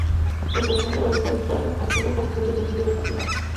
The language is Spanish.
Su actuación le valió para situarse a solo cuatro puntos del líder del campeonato.